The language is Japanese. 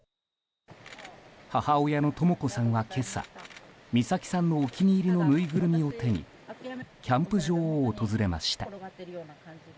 母親のとも子さんは今朝美咲さんのお気に入りのぬいぐるみを手にキャンプ場を訪れました。